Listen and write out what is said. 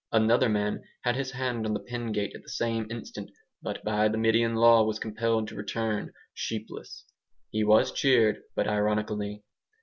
Another man had his hand on the pen gate at the same instant, but by the Median law was compelled to return sheepless. He was cheered, but ironically.